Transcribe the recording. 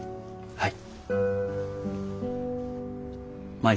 はい。